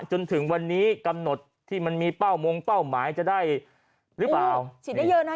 จนถึงวันนี้กำหนดที่มันมีเป้ามงเป้าหมายจะได้หรือเปล่าฉีดได้เยอะนะ